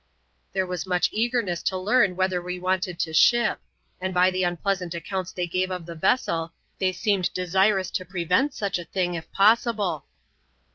There was much eagerness to learn whether we Wanted to " ship ;" and by the unpleasant accounts they gave of the vessel, they seemed desirous to prevent such a thingi If possible.